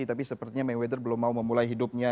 tapi sepertinya mayweather belum mau memulai hidupnya